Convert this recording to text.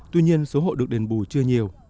tuy nhiên số hộ được đền bù chưa nhiều